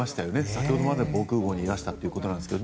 先ほどまで防空壕にいらしたということですが。